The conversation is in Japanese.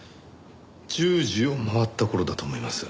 １０時を回った頃だと思います。